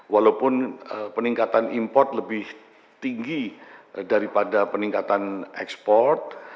walaupun peningkatan import lebih tinggi daripada peningkatan ekspor